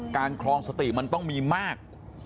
คลองสติมันต้องมีมาก